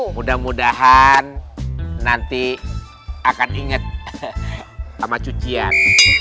mudah mudahan nanti akan inget sama cucian